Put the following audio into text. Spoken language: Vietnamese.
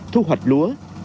thu hoạch lúa